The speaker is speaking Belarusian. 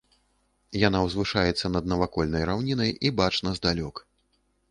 Яна ўзвышаецца над навакольнай раўнінай і бачна здалёк.